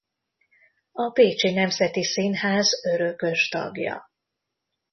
A Pécsi Nemzeti Színház örökös tagja.